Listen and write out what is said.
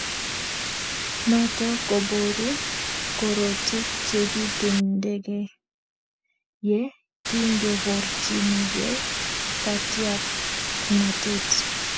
Notok kobooru korotiik chekitumdage ye kingeborchinigei katyaknatet.